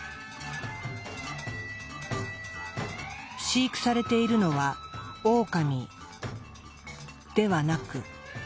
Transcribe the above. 飼育されているのはオオカミではなく。